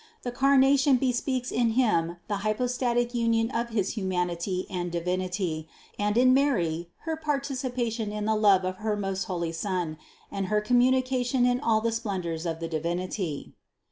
The carnation bespeaks in Him the hypostatical union of his humanity and Divinity, and in Mary her participation in the love of her most holy Son, and her communication in all the splendors of the Divinity.